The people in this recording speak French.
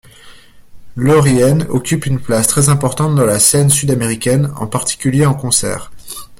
Lörihen occupe une place très importante dans la scène sud-américaine, en particulier en concert.